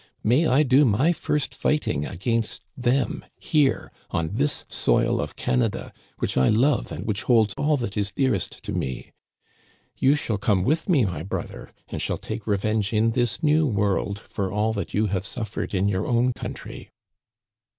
May I do my first fighting against thçm here, on this soil of Canada, which I love and which holds all that is dearest to me ! You shall come with me, my brother, and shall take revenge in this new world for all that you have suffered in your own coun try."